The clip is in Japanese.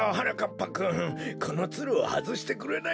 ぱくんこのツルをはずしてくれないかい？